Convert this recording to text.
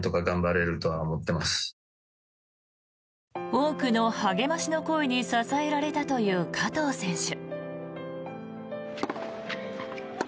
多くの励ましの声に支えられたという加藤選手。